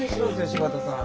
柴田さん。